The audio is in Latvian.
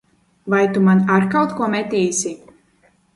Vai tu man ar kaut ko metīsi?